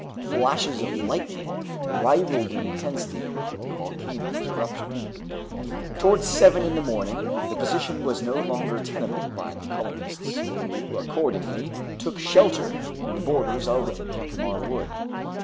Flashes of lightning rivaled in intensity the volcano's eruption. Towards seven in the morning the position was no longer tenable by the colonists, who accordingly took shelter in the borders of Jacamar Wood.